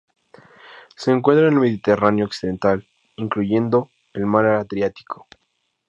Se encuentra en el Mediterráneo occidental, incluyendo el Mar Adriático.